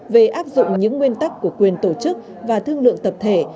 về áp dụng những nguyên tắc của quyền tổ chức và thương lượng tập thể